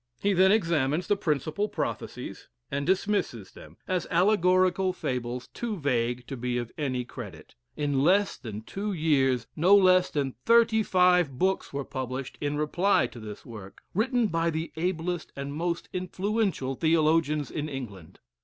He then examines the principal prophecies, and dismisses them, as allegorical fables too vague to be of any credit. In less than two years no less than thirty five books were published in reply to this work, written by the ablest and most influential theologians in England.